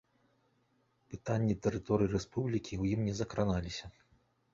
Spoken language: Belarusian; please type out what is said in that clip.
Пытанні тэрыторыі рэспублікі ў ім не закраналіся.